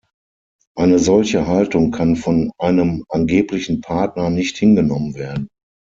Eine solche Haltung kann von einem angeblichen Partner nicht hingenommen werden.